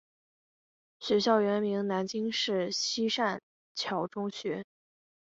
学校原名南京市西善桥中学。